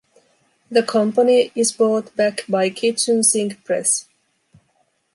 The company is bought back by Kitchen Sink Press.